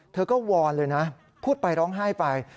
เธอก็วอนเลยนะพูดไปร้องไห้ไป